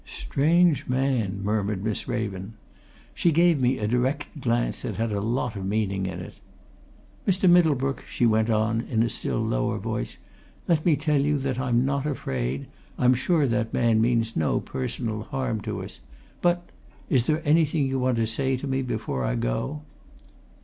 "Strange man!" murmured Miss Raven. She gave me a direct glance that had a lot of meaning in it. "Mr. Middlebrook," she went on in a still lower voice, "let me tell you that I'm not afraid. I'm sure that man means no personal harm to us. But is there anything you want to say to me before I go?"